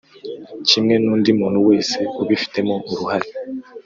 kimwe n undi muntu wese ubifitemo uruhare